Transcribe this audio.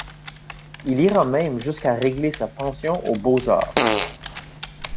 Il ira même jusqu'à régler sa pension aux beaux-arts.